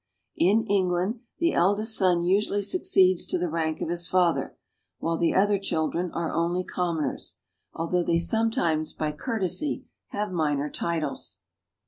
In England the eldest son usually succeeds to the rank of his father, while the other children are only commoners, although they sometimes by courtesy have minor titles.